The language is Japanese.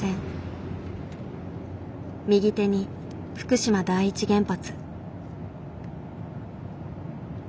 右手に福島第一原発。